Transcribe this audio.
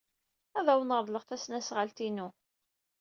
Ad awen-reḍleɣ tasnasɣalt-inu.